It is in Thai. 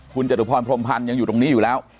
คุณจตุพรพรมพันธ์ยังอยู่ตรงนี้อยู่แล้ว